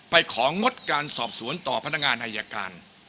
ของงดการสอบสวนต่อพนักงานอายการ